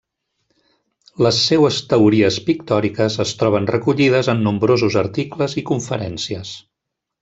Les seues teories pictòriques es troben recollides en nombrosos articles i conferències.